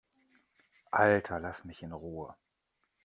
Alter, lass mich in Ruhe!